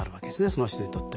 その人にとっては。